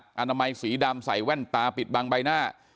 การไม้สีดำใส่แว่นตาปิดบางใบหน้า